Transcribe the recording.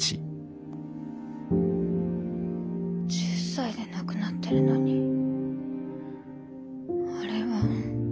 １０才で亡くなってるのにあれは。